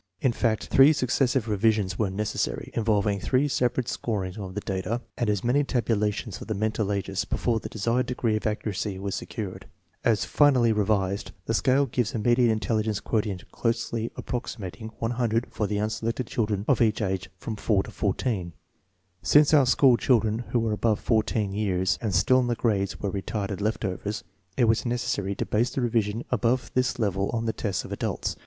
In fact, three succes sive revisions were necessary, involving three separate scorings of the data and as many tabulations of the mental ages, before the desired degree of accuracy was secured. As finally revised, the scale gives a median in telligence quotient closely approximating 100 for the unselected children of each age from 4 to 14. Since our school children who were above 14 years and still in the grades were retarded left overs, it was neces sary to base the revision above this level on the tests of adults.